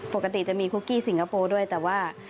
ปกติจะมีคุกกี้สิงคโปร์ด้วยแต่ว่า